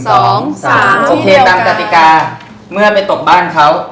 โอเคตามกติกาเมื่อไปตบบ้านเขา